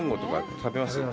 食べます。